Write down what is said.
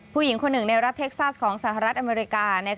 ผู้หญิงคนหนึ่งในรัฐเท็กซัสของสหรัฐอเมริกา